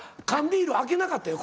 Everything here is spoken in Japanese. ビール開けなかったよ。